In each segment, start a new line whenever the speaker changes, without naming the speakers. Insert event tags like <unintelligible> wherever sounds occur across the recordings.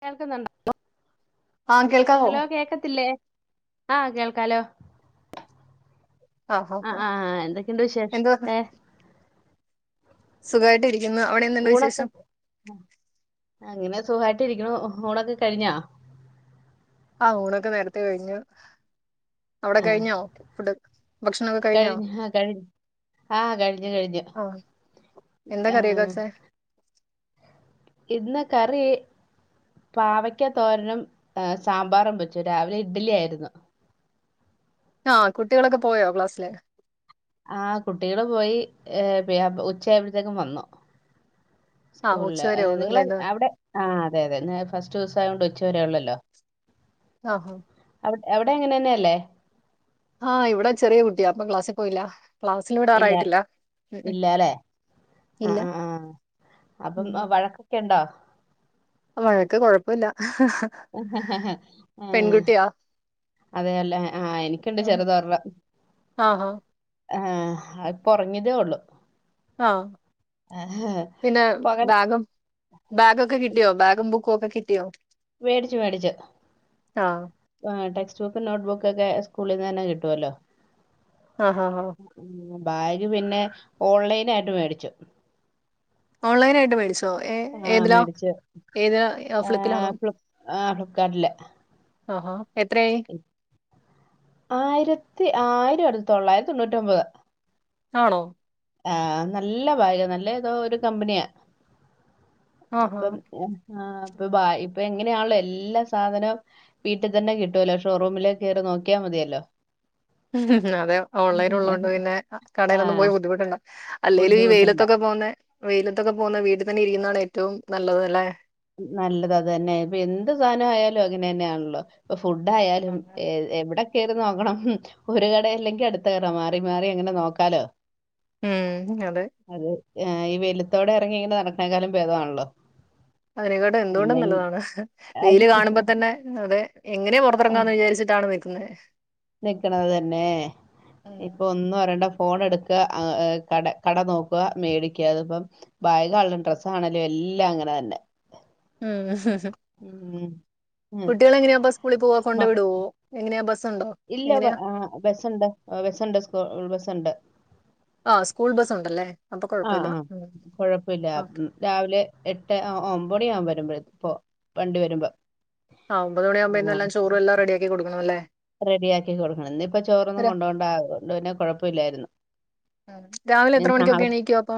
അയാൾക്ക് ന <unintelligible>
ആഹ് കേൾക്കാവോ
ഹലോ കേക്കത്തില്ലേ ആ കേൾക്കാലോ
ആഹ് ആഹ്
ആ
ആഹ്
ആ എന്തൊക്കെയുണ്ട് വിശേഷ ഏ
സുഖായിട്ടിരി
ഊണൊക്കെ അങ്ങനെ സുഖായിട്ട് ഇരിക്കണു ഉണൊക്കെ കഴിഞ്ഞോ
ആഹ് ഊണൊക്കെ നേരത്തെേ കഴിഞ്ഞു അവിടെ
ആ
കഴിഞ്ഞോ ഫുഡ് ഭക്ഷണൊക്കെ കഴിഞ്ഞോ
കഴിഞ്ഞു ആ കഴിഞ്ഞു ആ കഴിഞ്ഞു കഴിഞ്ഞു
ആ എന്താ
ആ,
കറിയൊക്കെവെച്ചേ
ഇന്ന് കറി പാവയ്ക്ക തോരനും സാമ്പാറും വെച്ചു രാവിലെ ഇഡ്ലി ആയിരുന്നു
ആ കുട്ടികളൊക്കെ പോയോ ക്ലാസ്സില്
ആ കുട്ടികള് പോയി ഉച്ചയായപ്പ ഴത്തേക്കും വന്നു
ആഹ്
സ്കൂളില്
ഉച്ചവരേ ഉള്ളൂ അല്ലേ
നിങ്ങള്
ഇന്ന്
അവിടെ ആ അതെ അതെ ഫസ്റ്റ് ദിവസായ യോണ്ട് ഉച്ച ഉച്ചവരെ ഉള്ളല്ലോ
ആ ഹ
എവിടെ എങ്ങനെന്നെയല്ലേ
ആ ഇവിടെ ചെറിയ കുട്ടിയ അപ്പ ക്ലാസ്സിൽ പോയില്ല ക്ലാസ്സിൽ
ഇല്ല
വിടാറായിട്ടില്ല ഉം ഉം
ഇല്ലാലെ ആ
ഇല്ല
ആ ആ അപ്പം
ഉം
വഴക്കൊക്കെ ഉണ്ടോ
വഴക്ക് കൊഴപ്പ ഇല്ല
ആ
പെൺകുട്ടിയാ
അതെ അല്ലേ ആ എനിക്കൊണ്ട്
ആഹ്
ചെറുതോരണം
ആഹ്
ആ ഇപ്പൊ ഉറങ്ങിയതേയുള്ളൂ
ആ പിന്നെ
പകൽ
ബാഗും ബാഗൊക്കെ കിട്ടിയോ ബാഗും ബു ക്കോക്കെ കിട്ടിയോ
വേടിച്ചു വേടിച്ചു
ആഹ്
ടെ ട്സ് ബുക്കും നോട്ട്ബുക്കൊക്കെ സ്കൂളിൽ നിന്ന് തന്നെ കിട്ടുവല്ലോ
ആ ഹാ ഹാ
ബാഗ് പിന്നെ ഓൺലൈനായിട്ട് മേടിച്ചു
ഓൺലൈനായിട്ട് മേടിച്ചു.
ആ മേഡിച്ചു ആ
ഫ്ലിപ്പിലാണോ
ഫ്ളിപ് ആ ഫിളിക്കാട്ടില്
ആഹോ
ആയിരത്തി ആയി തൊള്ളായിരത്തി തൊണൂറ്റിമ്പത്.
ആണോ
ആഹ് നല്ല ഭാഗ് നല്ല തോ ഒരു കമ്പനിയാ
ആഹാ
അപ്പം മ് ആഹ് ഇപ്പൊ ബ ഇപ്പൊ എങ്ങനെയാണല്ലോ എല്ലാ സാധനും വീട്ടിൽ തന്നെ കിട്ടുവല്ലോ ഷോറൂമിലേ കെറി നോക്കിയാൽ മതിയല്ലോ.
അതെ ഓൺലൈൻ ഉള്ളത് കൊണ്ട് പിന്നെ
ആ
കടയിലൊന്നും പോയി ബുദ്ധിമുട്ടണ്ട അല്ലേലും ഈ
ബുദ്ധിമുട്ടണ്ട
വെയിലത്തൊക്കെ പോന്നേ വെയിലത്തൊക്കെ പോന്ന വീട്ടിൽ തന്നെ ഇരിക്കുന്നതാണ് ഏറ്റവും നല്ലത് അല്ലെ.
നല്ലത് അത ന്നെ ഇപ്പൊ എന്ത് സാധന ആയാലും അങ്ങനെ ന്നെയാണല്ലോ ഫുഡ് ആയാലും എവിടെ പോ കെറി നോക്കണം ഒരു കട അല്ലെങ്കിൽ അടുത്ത കട മാറി മാറി ഇങ്ങനെ നോക്കാലോ.
ഉം അതെ
അത് ആ ഈ വെലുത്തോടെ ഇറങ്ങി ഇങ്ങനെ നടക്കേ കാലം ഭേദണല്ലോ.
അരിക്കാട്ടും എന്തുകൊണ്ടും നല്ലതാണ്
അത്
വെയില് കാണുമ്പോ തന്നെ അത് മ് എങ്ങെനെ പൊറെത്ത് ഏറെങ്ങാന്ന് വിചരിച്ചിട്ടാണ് നി ഇന്ന്
നിക്ക്ണെത് തെന്നെ. ഇപ്പൊ
ഉം
ഒന്നും അറിയെണ്ട ഫോൺ എടുക്ക കട കട നോക്ക മേടിക്ക അത് ഇപ്പം ഭാഗണേൽ ഡ്രസ്സാണൽ എല്ലാം അങ്ങനെ ന്നെ
ഉം
ഉം.
കുട്ടികളെങ്ങെയാ സ്കൂളിൽ പോവാ കൊണ്ട്
മ-
വിടോ എങ്ങനെയാ ബസ്
ഇല്ല ബെ ആഹ് ബെസ് ഇണ്ട് ബെസ് ഇണ്ട് സ്ക്കൂൾ ബെസ് സ് ഇണ്ട്
ആ സ്കൂൾ ബസ് ഉണ്ടല്ലേ അപ്പൊ
ആഹ്
കുഴപ്പമില്ല
ആഹ്
ഉം
കൊഴപ്പയില്ല
ആ
രാവിലെ എട്ടെ ആ ഒമ് ഒമ്പെയ് മണിയാവും വെരുമ്പെൾ ഇപ്പോ വണ്ടി വെരുമ്പം.
ആഹ് ഒമ്പത് മണിയാവ്മ്പെയ്ക്ക് എല്ലാം ചോറ് എല്ലാം റെഡിയാക്കി കൊട്ക്കെണം അല്ലെ?
റെഡിയാക്കി കൊട്ക്കെണം ഇന്ന് ഇപ്പ ചോറൊന്നും
രാ-
കൊണ്ടോണ്ട ആവ് അയുകൊണ്ട് പിന്നെ കൊഴപ്പയില്ലായിര്ന്നു
ഉം. രാവിലെ
ഇഞ്
എത്ര മണിക്കൊക്കെ
നാളെ
എണീക്കും അപ്പൊ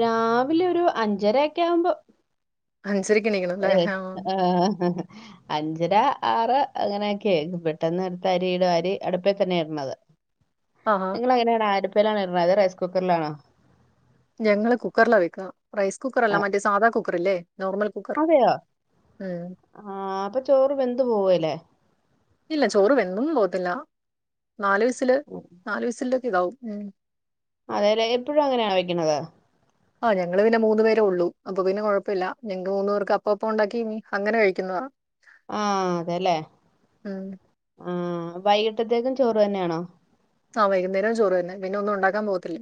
രാവിലെ ഒരു അഞ്ചെര ക്കെ ആവുമ്പം.
അഞ്ചരക്ക് എണീക്കണം അല്ലേ
ഏ
ആ
ആഹ് അഞ്ചെര ആറ് അങ്ങനെയൊക്കെ പെട്ടെന്ന് ഇട്ത്ത് അരി ഇടും അരി അടുപ്പേ തെന്നെ ഇട്ണെത്
ആഹാ
നിങ്ങൾ എങ്ങനെയാണ് അട് പ്പിലാണോ ഇട്ണെ? അതെ റൈസ് കുക്കെർലാണോ?
ഞങ്ങള് കുക്കറിലാ വെക്കുവാ റൈസ് കുക്കറല്ല
ആ,
മറ്റേ സാദാ കുക്ക്‌ കുക്കറില്ലേ നോർമൽ കുക്കർ
അതെയോ
ഉം
ആ അപ്പൊ ചോറ് വെന്ത് പോവേല്ലേ
ഇല്ല ചോറ് വെന്തൊന്നും പോത്തില്ല നാല് വിസ്സില് നാല് വിസ്സില് ഇതാവും ഉം
അതേലെ എപ്പഴും അങ്ങനെയാണോ വെക്കുണത്
ആ ഞങ്ങള് പിന്നെ മൂന്നു പേരെ ഒള്ളു അപ്പൊ പിന്നെ കുഴപ്പമില്ല ഞങ്ങക്ക് മൂന്നു പേർക്ക് അപ്പപ്പം ഉണ്ടാക്കി അങ്ങനെ കഴിക്കുന്നതാ
ആഹ് അതേല്ലേ
ഉം
ആഹ് വൈകിട്ട് ച്ചത്തേക്കും ചോറ് തന്നെയാണോ
ആ വൈകുന്നേരം ചോറു തന്നെ പിന്നെ ഒന്നും ഒണ്ടാക്കാൻ പോത്തില്ല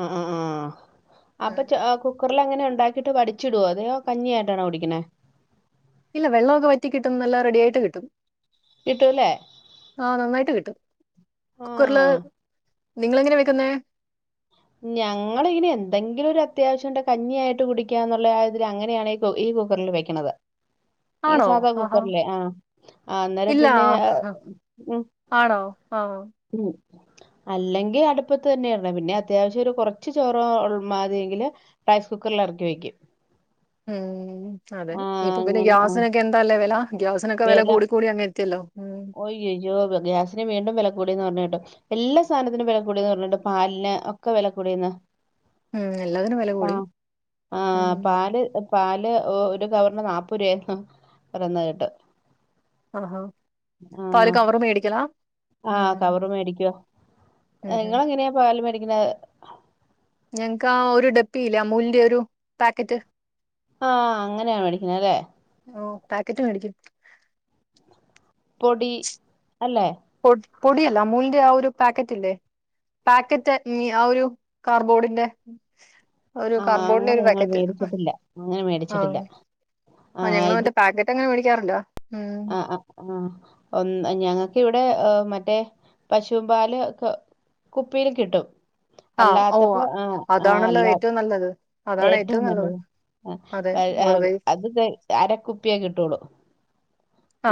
ആഹ് ആഹ് ആ അപ്പൊ
ഉം
ച്ചൊ അ കുക് ക്കറിൽ അങ്ങനെ ഉണ്ടാക്കീട്ട് വടിച്ചിടുവോ അതെയോ കഞ്ഞിയായിട്ടാണോ കുടിക്കണെ
ഇല്ല വെള്ളമൊക്കെ വറ്റി കിട്ടും നല്ല റെഡിയായിട്ട് കിട്ടും
കിട്ടൂലേ
ആ നന്നായിട്ട് കിട്ടും കുക്കറില്
ആ
നിങ്ങളെങ്ങനെ വെക്കുന്നേ?
ഞങ്ങളയ്ന് എന്തെങ്കിലും ഒരു അത്യാവശ്യംണ്ടെ കഞ്ഞിയായിട്ട് കുടിക്കാന്നൊള്ള ആ ഒരിൽ അങ്ങനെയാണ് ഈ കുക് ഈ കുക്കറിൽ വെക്ണത്. ഈ
ആണോ
സാധാ
ആഹാ
കുക്കർലെ ആഹ് ആന്നേരം
ഇല്ല.
പിന്നെ അഹ് ഉം
ആണോ? ആഹ്.
ഉം അല്ലെങ്കിൽ അടുപ്പത്ത് തന്നെ ഇടണം പിന്നെ അത്യാവശ്യം ഒരു കുറച്ച് ചോറോ ള്ള് മതിയെങ്കില് റൈസ് കുക്കറിൽ എറക്കി വെയ്ക്കും
ഉം അതെ ഇപ്പൊ പിന്നെ
അങ്ങനെ ആ.
ഗ്യാസിനൊക്കെ എന്താല്ലേ വെല ഗ്യാസിനൊക്കെ വെല കൂടി കൂടി അങ്ങെത്തിയല്ലോ.
ഒയ്യയ്യോ വ് ഗ്യാസിന് വീണ്ടും വെലകൂടീന്ന് പർഞ്ഞെ ട് എല്ലാ സാനത്തിനും വെല കൂടിയന്ന് പറഞ്ഞിണ്ട് പാലിന് ഒക്കെ വെല കൂടീന്ന്
ഉം. എല്ലാത്തിനും വെല കൂടി.
അഹ് ആഹ്
ഉം.
പാല് എ പാല് ടെ ഓ ഒരു കവർന് നാപ്പുരയാ അഹ് പറേന്ന കേട്ട്
അഹ് ഹ
ആ ആ
ഉം.
കവറ് മേടിക്കുവോ
ഉം ഹും.
നിങ്ങള് എങ്ങനെയാ പാല് മേടി ഇതേ
ഞങ്ങക്ക് ആ ഒരു ഡപ്പി ഇല്ലേ അമൂലിന്റെ ഒരു പാക്കറ്റ്
ആ അങ്ങനെയാണ് മേടിക്കുന്നല്ലേ
ഓ പാക്കറ്റ് മേടിക്കും
പൊടി അല്ലേ
പൊ പൊടിയല്ല മൂലിന്റെ ആ ഒരു പാക്കറ്റ് ഇല്ലേ പാക്കറ്റ് ആ ഒരു കാർബോർഡിന്റെ ഒരു
ആ
കാർബോർഡിന്റെ
അങ്ങനെ
ഒരു
ഞങ്ങള്ൾ
പാക്കറ്റ്.
മേടിച്ചിട്ടില്ല അങ്ങനെ മേടിച്ചിട്ടില്ല ആ ഇത്
എങ്ങനെ മേടിക്കാറുണ്ടോ
ആ ആ ആ ഒ ഞങ്ങൾക്ക് ഇവിടെ നടെ മറ്റേ പശുവിൻ പാല് കുപ്പിൽ കിട്ടും
ആ ഓ
അല്ലാത്തപ്പോ ആ ആ
അതാണല്ലോ
അല്ല
ഏറ്റവും നല്ലത്
ഏറ്റവും നല്ലത്
അതെ
ആ
വെറുതെ
അത് അരക്കുപ്പിയക്കെ കിട്ടുള്ളൂ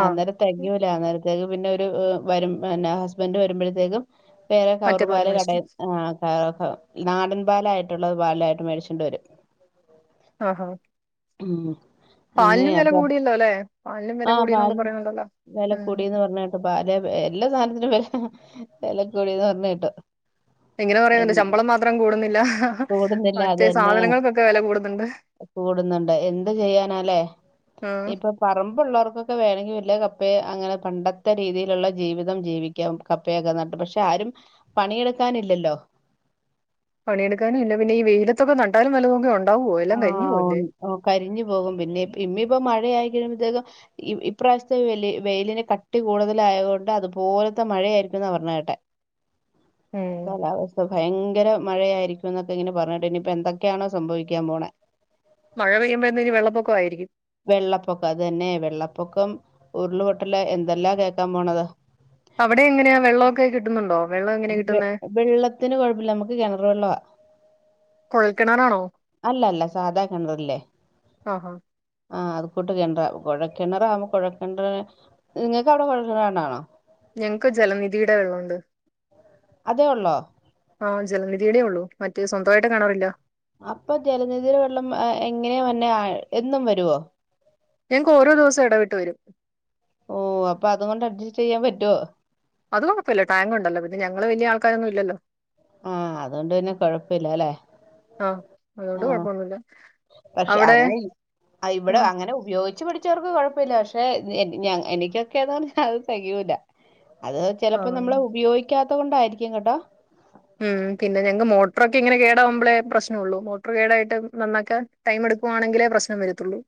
ആഹ്
അന്നേരം തികയുല അന്നേരം പിന്നെ ഒരു വരുഹസ്ബന്ഡ് വരുമ്പോഴത്തേക്കും പേരെ
മറ്റേ പാല്
കൗറുബാല് കട
മേടിച്ചിട്ട്
ആ നാടൻ ബാലായിട്ടുള്ളത് ബാലായിട്ട് മേടിച്ചു കൊണ്ട് വരും
ആ ഹ
ഉം
പാലിനും
അങ്ങനെയാ
വില
അപ്പൊ
കൂടിയാൽ അല്ലേ
ആ ഹ പാൽ വില
ഉം
കൂടന്ന് പറഞ്ഞ കേട്ടോ പാ എല്ലാ സാധനത്തിനും വി <unintelligible> വെലക്കൂടിന്ന് പറഞ്ഞ കേട്ടോ
ഇങ്ങനെ പറയുന്നുണ്ട് ശമ്പളം മാത്രം കൂടുന്നില്ല
കൂടുന്നില്ല അത്
മറ്റേ
തന്നെ
സാധനങ്ങൾക്കൊക്കെ വില കൂടുന്നുണ്ട്
കൂടുന്നുണ്ട് എന്ത് ചെയ്യാനാലേ
ആഹ്
ഇപ്പൊ പറമ്പള്ളവർക്കൊക്കെ വേണെങ്കിൽ കപ്പയെ അങ്ങനെ പണ്ടത്തെ രീതിയിലുള്ള ജീവിതം ജീവിക്കാം കപ്പയൊക്കെ നട്ട് പക്ഷെ ആരും പണിയെടുക്കാനില്ലല്ലോ
എടുക്കാനുമില്ലപിന്നെ വെയിലത്തൊക്കെ നട്ടലു വെല്ല തൊക്കെ ഉണ്ടാ
ആ കരിഞ്ഞു പോകും പിന്നെ <unintelligible> ഇപ്പൊ മഴയായി കഴുമ്പഴത്തേക്കും ഇപ്രാവശ്യത്തെ വ വെയിലിന്റെ കട്ടി കൂടുതല ആയതുകൊണ്ട് അതുപോലത്തെ മഴയായിരിക്കും എന്നാ പറഞ്ഞ കേട്ടെ
ഉം
കലാവസ്ഥ ഭയങ്കര മഴയായിരിക്കും എന്നൊക്കെ ഇങ്ങനെ പറഞ്ഞിട്ട്ന്നനി ഇപ്പൊ എന്തൊക്കെയാണോ സംഭവി ക്കാപോണ
മഴ പെയ്യുമ്പോഴത്തേക്ക് വെള്ളപ്പൊക്കംയിരിക്കും
വെള്ളപ്പൊക്കം അത് തന്നെ വെള്ളപ്പൊക്കം ഉരുളപൊട്ടല എന്തെല്ലാ കേക്കാൻ പോണത്
അവിടെ എങ്ങനെയാ വെള്ളൊക്കെ കിട്ടുന്നുണ്ടോ വെള്ളം എങ്ങനെയാ കിട്ടുന്ന
വെ- വെള്ളത്തിന് കുഴപ്പമില്ല നമുക്ക് കിണർ വെള്ളവാ
കൊഴൽക്കിണാറാണോ
അല്ല അല്ല സാധാ
ആ ഹ
ആഹ് അത് കൂട്ട് കിണറ കോഴക്കിണർ ആമ്പോ കോഴിണറിന് നിങ്ങൾക്ക് അവിടെ കോഴൽക്കിണർണാണോ
ഞങ്ങക്ക് ജലനിധിടെ വെള്ളുണ്ട്
അതേ ഉള്ളോ
ആ ജലനിധിയടെേ ഉള്ളൂ മറ്റ സ്വന്തമായിട്ട് കാണാറില്ല
അപ്പം ജലനിധിയുടെ വെള്ളം എ എങ്ങനെ വന്നെ ആഹ് എന്നും വരുവോ?
ഞങ്ങക്ക് ഓരോ ദിവസം ഇടവിട്ട് വരും
ഓ അപ്പൊ അത്കൊണ്ട് അഡ്ജസ്റ്റ് യ്യാൻ പറ്റോ?
അതും കൊഴപ്പല്ല ടാങ്ക്ണ്ടല്ലോ പിന്നെ ഞങ്ങള് വലിയ ആൾക്കാരൊന്നും ഇല്ലല്ലോ
ആഹ അതോണ്ട് വിന്നെ കൊഴപ്പല്ലല്ലെ.
ആഹ് അതുകൊണ്ട്
ആഹ്
കുഴപ്പമൊന്നുമില്ല
പക്ഷെ
അവിടെ
അങ്ങനെ ഇ അ ഇവിടെ
ആഹ്
അങ്ങനെ ഉപയോയിച്ച് പടി ച്ചർക്ക് കുഴപ്പല്ല ക്ഷെ ഞ് ഞ എനിക്കൊക്കെ താണ് തെകയൂല്ല അത് ചെലപ്പോ
ആഹ്
നമ്മള് ഉപയോയിക്കാത് ത്തോണ്ടായിരിക്കും കേട്ടോ
ഉം പിന്നെ ഞങ്ങക്ക് മോട്ടറൊക്കെ ഇങ്ങനെ കേടാവകുമ്പോഴേ പ്രശ്നള്ളൂ മോട്ടർ കേടായിട്ട് നന്നാക്കാ ടൈം എടുക്കുവാണെങ്കിലേ പ്രശ്നം വരത്തുള്ളൂ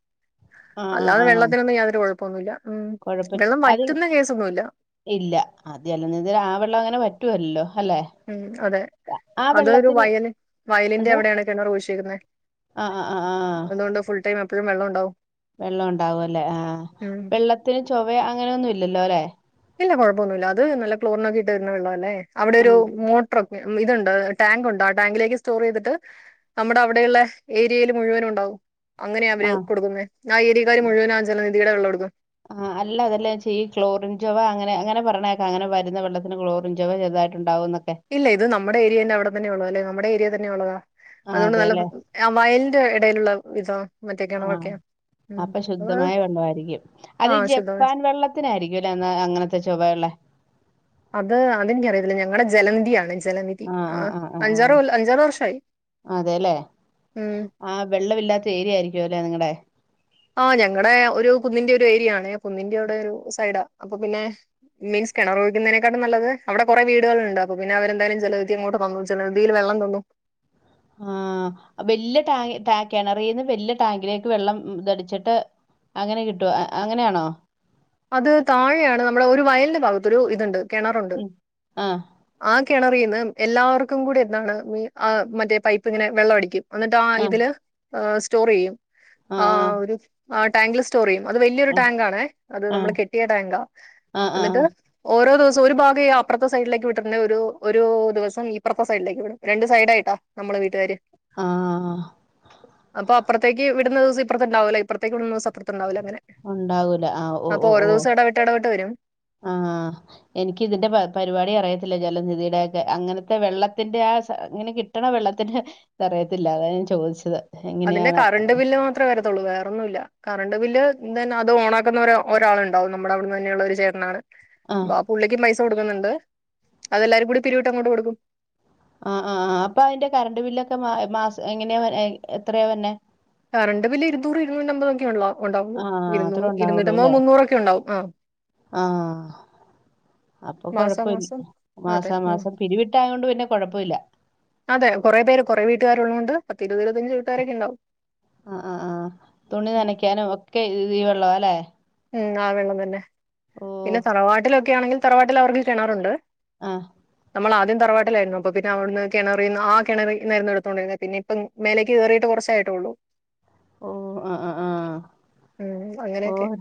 ആഹ് ആ
അല്ലാതെ
ആഹ്
വെള്ളത്തിനൊന്നും യാതൊരു കുഴപ്പമൊന്നുമില്ല ഉം
കൊഴപ്പില്ല
വെള്ളം
അത്
വറ്റുന്ന കേസൊന്നുമില്ല
ഇല്ല അത അല്ല നിതിരെ ആ വെള്ളം അങ്ങനെ വറ്റുവല്ലല്ലോ
ഉം അതെ അതൊരു
വെള്ളത്തിന്
വയലിൻ വയലിന്റെ
എന്തോ
എവിടെയാണ് കിണർ വൂശിരിക്കുന്നത്
ആഹ് ആഹ് ആഹ് ആഹ്
അതുകൊണ്ട് ഫുൾ ടൈം പ്പഴും വെള്ളം ഉണ്ടാകും
വെള്ളം ഉണ്ടാവുല്ലേ ആഹ് വെള്ളത്തിന് ചൊവ അങ്ങനെയൊന്നും ഇല്ലല്ലോല്ലേ
ഇല്ല കുഴപ്പൊന്ന അത് നല്ല ക്ലോറിനക്കിട്ട്രുന്ന വെള്ള അല്ലേ അവിടെ ഒരു
ആഹ്
മോട്ടർ ഇതുണ്ട് ടാങ്കുണ്ട് ആ ടാങ്കിലേക്ക് സ്റ്റോർ ചെയ്തിട്ട് നമ്മുടെ അവിടെയുള്ള ഏരിയയിൽ മുഴുവനും ഉണ്ടാവും അങ്ങനെയാ അവര്
ആഹ്
കൊടുക്കുന്ന ആ ഏരിയക്ക് മുഴുവനാ ജെ <unintelligible> ഉടുക്കുക
ആഹ് അല്ല അതല്ലാെ ക്ലോറിൻചോവ അങ്ങനെ അങ്ങനെ പറഞ്ഞേക്കെ അങ്ങനെ വര വള്ളത്തിന്ക്ലോറിൻചോവ ചെറുതായിട്ട്ണ്ടാവുംന്നൊക്കെ
ഇല്ല ഇത് നമ്മുടെ ഏരിയന്റെ അവിടെന്ന ഉള്ള അല്ലേ നമ്മടെ രിയ തന്നെ ഉള്ളതാ അതുകൊണ്ട് നല്ല
അതെല്ലേ
ആ വയലിന്റെ ഇടയിലുള്ള ഇതാ മറ്റേ
ആഹ
കിണറൊക്കെയാ. ഉം.
അപ്പൊ
അത്
ശുദ്ധമായ വെള്ളമായിരിക്കും
ആ
അതീ
ശുദ്ധവാ.
ജപ്പാൻ വെള്ളത്തിനായിരിക്കും അല്ലേ എന്ന അങ്ങനത്തെ ചൊവയള്ളെ
അത് അതെനിക്കറിയത്തില്ല ഞങ്ങളടെ ജലനിധിയാണേ
ആഹ അ ആ് ആ
വർഷമായി.
ആ അതെല്ലേ
ഉം.
ആ വെള്ളമില്ലാത്ത ഏരിയ ആയിരിക്കുവല്ലെ നിങ്ങളടെ
ആ ഞങ്ങടെ ഒരു കുന്നിന്റെ ഒരു ഏരിയ ആണ കുന്നിൻന്റെ അവിടെ ഒരു സൈഡാ അപ്പൊ പിന്നെ മീൻസ് കിണർ ഒഴിക്കുന്നതിനെക്കാട്ടും നല്ലത് അവിടെ കുറെ വീടുകളുണ്ട് അപ്പൊ പിന്നെ അവരെന്തായാലും ജലവിധി അങ്ങോട്ട് തന്നു ജലവിധയിൽ വെള്ളം തോന്നു
ആ വല്യ ടാങ് ടാ കെണറിന്ന് വലിയ ടാങ്കിലേക്ക് വെള്ളം ടിച്ചിട്ട് അങ്ങനെ കിട്ടോ അങ്ങനെയാണോ
അത് താഴെയാണ് നമ്മടെ ഒരു വയലിന്റെ ഭാഗത്ത ഒരു ഇതുണ്ട് കിണറുണ്ട്
ഉം. ആ
ആ കിണറന്ന് എല്ലാവർക്കും കൂടി എന്താണ് മി മ മറ്റേ പൈപ്പ് ഇങ്ങനെ വെള്ളം അടിക്കും എന്നിട്ടാ
ആ
ഇതില് ഏ സ്റ്റോർ ചെയ്യും
ആ ആ
ആഹ് ആടാങ്കിൽസ്റ്റോർ ചെയും അത് വലിയൊരു
ആ
ടാങ്ക് ആണേ ഇത്
ആ
നമ്മള് കെട്ടിയ ടാങ്കാ
ആ
എന്നിട്ട്
ആ
ഓ ഓരോ ദിവസം ഒരു ഭാഗം ഈ അപ്പ്റത്താ സൈഡിലേക്ക് വിട്ടിട്ട്ണ്ടെ ഒരു ഒരു ദിവസം ഇപ്പ്റത്താ സൈഡിലേക്ക് വിടും രണ്ട് സൈഡായിട്ട നമ്മള് വീട്ടുകാര്
ആ ആ
അപ്പൊ അപ്പ്റത്തേക്ക് വി ടുന്ന ദിവസം ഇപ്പ്റത്ത് ഉണ്ടാവൂല ഇപ്പ്റത്തേക്ക് വിടുന്ന ദിവസം അപ്പ്റത്ത് ഉണ്ടാവൂല അങ്ങനാ
ഉണ്ടാവൂല ആഹ്
അപ്പൊ ഓരോ ദിവസം ഇടവിട്ട് ഇടവിട്ട് വരും
ആഹ് ല്ല ജലനിധിയുടെക്കെ അങ്ങനത്തെ വെള്ളത്തിന്റെ ആഹ് സ ഇങ്ങനെ കിട്ടണ വെള്ളത്തിന്റെ ഇത് അറിയത്തില്ല അതാ ഞാൻ ചോദിച്ചത്
അതിന്റെ
എങ്ങനെയാണ്
കറണ്ട് ബില്ല് മാത്രേ വരത്തുള്ളൂ വേറൊന്നുല്ല കറണ്ട് ബില്ല് എന്തന്നെ അത് ഓണാക്കുന്ന ഒര് ഒരാൾണ്ടാവും നമ്മുടെ അവിടുന്ന് തന്നെയുള്ള ഒരു ചേട്ടനാണ്
ആഹ്
ബാ പുള്ളിക്കും പൈസ് കൊടുക്കുന്നുണ്ട് അതെല്ലാരും കൂടി പിരിവിട്ട് അങ്ങോട്ട് കൊടുക്കും
ആഹ് ആഹ് ആഹ് അപ്പൊ അതിന്റെ കറണ്ട് ബില്ലൊക്കെ മാ മാസം എങ്ങനെയാ എഹ് എത്രയാ വരണേ
കറണ്ട് ബില്ല് ഇരുന്നൂറ് ഇരുന്നൂറ്റമ്പതൊക്കെ ഉള്ളോ ഉണ്ടാവൂ
ആഹ്
ഇരുന്നൂ
അത്രേ ഉണ്ടാവുള്ളൂ
ഇരുന്നൂറ്റമ്പത്
അല്ലേ
മുന്നൂറൊക്കെ ഉണ്ടാവും ആഹ്
ആഹ് അപ്പൊ കൊഴപ്പിൽ
ഉം.
മാസമാസം പിരിവിട്ടായ കൊണ്ട് പിന്നെ കൊഴപ്പില്ലാ
അതെ കുറേ പേര് കുറെ വീട്ടുകാരുള്ളോണ്ട്
ആ ആ ആ തുണി നനക്കാനും ഒക്കെ ഈ വെ ള്ളോ അല്ലെ
ഉം ആ വെള്ളം തന്നെ പിന്നെ തറവാട്ടിലൊ ക്കെ ആണെങ്കിൽ തറവാട്ടിൽ അവർക്ക് കിണറുണ്ട്
ആഹ്
നമ്മൾ ആദ്യം തറവാട്ടിലായിരുന്നു അപ്പൊ പിന്നെ അവിടുന്ന് കിണറിന്ന് ആ കിണറിന്നായിരുന്നു എടുത്തു കൊണ്ടിരുന്നത് പിന്നെ ഇപ്പം മേലേക്ക് കയറിട്ട് കുറച്ചേ ആയിട്ടുള്ളൂ
ഓ ആഹ്
ഉം അങ്ങനെയൊക്കെ
ആഹ്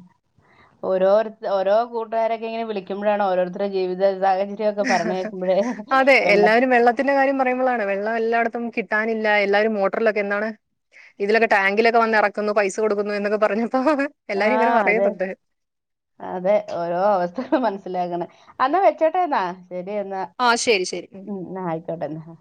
ഓരോരു ഓരോ കൂട്ടുകാരൊക്കെ ഇങ്ങനെ വിളിക്കുമ്പോഴാണ് ഓരോരുത്തരുടെ ജീവിത സാഹചര്യമൊക്കെ പറഞ്ഞു കേൾക്കുമ്പോഴേ
അതെ
വെള്ള
എല്ലാരും വെള്ളത്തിന്റെ കാര്യം പറയുമ്പോളാണ് വെള്ളം എല്ലായിട ത്തും കിട്ടാനില്ല എല്ലാരും മോട്ടറിലൊക്കെ എന്നാണ് ഇതിലൊക്കെ ടാങ്കിലൊക്കെ വന്ന് ഇറക്കുന്നു പൈസ കൊടുക്കുന്നു എന്നൊക്കെ പറഞ്ഞു
ആ അതെ അതെ ഓരോ അവസ്ഥ മനസ്സിലാക്കണെ എന്നാ വെച്ചോട്ടേ എന്നാ ശരി എന്നാ
ആ ശരി ശരി
ഉം എന്നാ ആയിക്കോട്ടെന്നാ